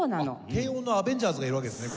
低音のアベンジャーズがいるわけですね